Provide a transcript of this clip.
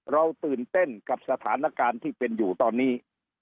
เราตื่นเต้นกับสถานการณ์ที่เป็นอยู่ตอนนี้